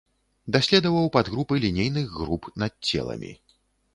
Даследаваў падгрупы лінейных груп над целамі.